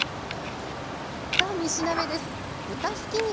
さあ３品目です。